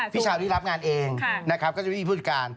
พี่เฉารี่รับงานเองก็จะมีผู้จัดการ